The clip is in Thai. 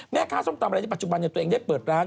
แม่ค้าส้มตำปัจจุบันนี้ก็ชอบเปิดร้าน